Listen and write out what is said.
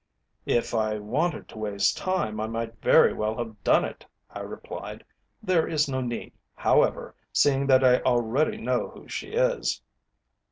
"If I wanted to waste time I might very well have done it," I replied. "There is no need, however, seeing that I already know who she is."